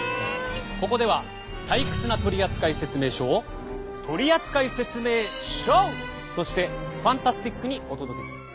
ここでは退屈な取扱説明書を取扱説明ショーとしてファンタスティックにお届けする。